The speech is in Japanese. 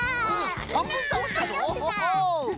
はんぶんたおしたぞオホホ！